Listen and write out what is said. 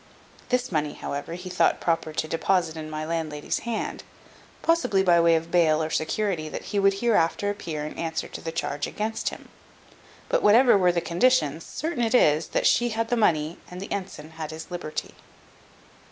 This money, however, he thought proper to deposit in my landlady's hand, possibly by way of bail or security that he would hereafter appear and answer to the charge against him; but whatever were the conditions, certain it is, that she had the money and the ensign his liberty.